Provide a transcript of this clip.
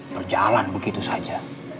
berjalan begitu saja